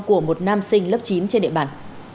của một nam sinh lớp chín trên địa bàn